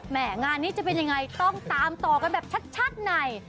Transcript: งานนี้จะเป็นยังไงต้องตามต่อกันแบบชัดใน